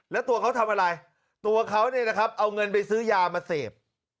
แล้วตัวเขาทำอะไรตัวเขาเนี่ยนะครับเอาเงินไปซื้อยามาเสพ